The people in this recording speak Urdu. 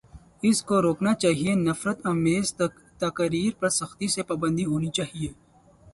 اس کو روکنا چاہیے، نفرت آمیز تقاریر پر سختی سے پابندی ہونی چاہیے۔